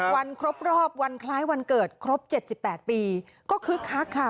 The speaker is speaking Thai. วันครบรอบวันคล้ายวันเกิดครบ๗๘ปีก็คึกคักค่ะ